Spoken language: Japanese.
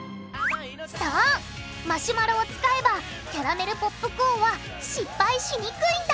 そうマシュマロを使えばキャラメルポップコーンは失敗しにくいんだ！